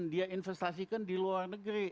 dia investasikan di luar negeri